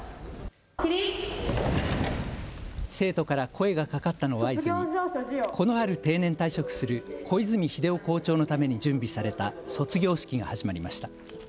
生徒から声がかかったのを合図にこの春、定年退職する小泉秀夫校長のために準備された卒業式が始まりました。